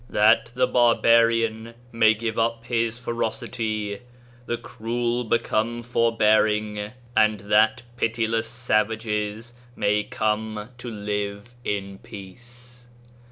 . that the barbar ian may give up his ferocity, the cruel become forbearing, and that pitiless savages may come to live in peace.